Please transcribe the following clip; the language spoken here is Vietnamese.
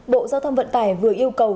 bộ giao thông vận tải vừa yêu cầu